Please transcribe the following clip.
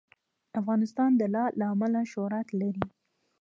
افغانستان د لعل له امله شهرت لري.